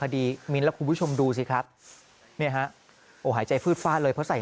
คดีมีนและคุณผู้ชมดูสิครับหายใจฟื้ดฟาดเลยเพราะใส่